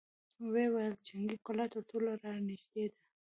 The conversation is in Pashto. ويې ويل: جنګي کلا تر ټولو را نېږدې ده!